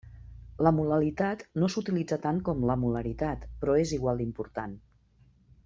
La molalitat no s'utilitza tant com la molaritat, però és igual d'important.